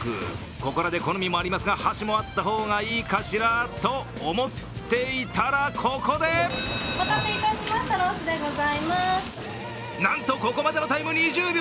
ここらで好みもありますが箸もあった方がいいかしら？と思っていたら、ここでなんと、ここまでのタイム２０秒！